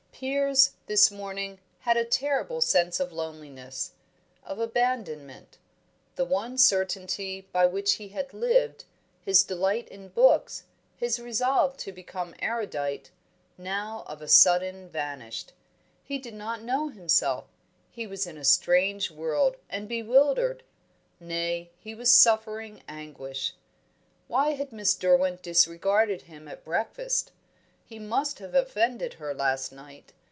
Piers, this morning, had a terrible sense of loneliness, of abandonment. The one certainty by which he had lived, his delight in books, his resolve to become erudite, now of a sudden vanished. He did not know himself; he was in a strange world, and bewildered. Nay, he was suffering anguish. Why had Miss Derwent disregarded him at breakfast? He must have offended her last night.